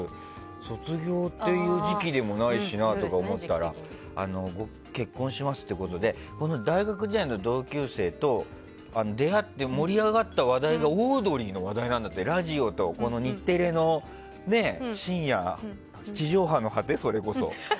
卒業っていう時期でもないしなって思ったら僕、結婚しますってことで大学時代の同級生と出会って盛り上がった話題がオードリーの話題なんだってラジオと日テレの深夜地上波の果て、それこそ。